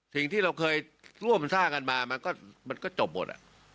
สิ่งที่เราเคยร่วมสร้างกันมามันก็จบหมด